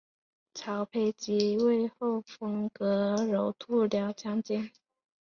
曹丕即位后封阎柔度辽将军。